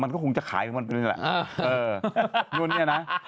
มันก็คงจะขายขึ้นมาเป็นแบบนี้แหละนั่นเนี่ยนะ